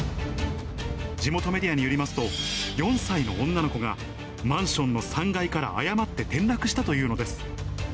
地元メディアによりますと、４歳の女の子がマンションの３階から誤って転落したというのです。